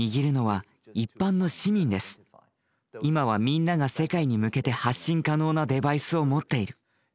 今はみんなが世界に向けて発信可能なデバイスを持っている。